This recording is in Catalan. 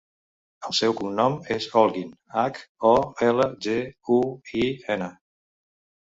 El seu cognom és Holguin: hac, o, ela, ge, u, i, ena.